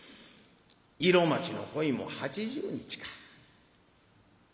「色街の恋も８０日か。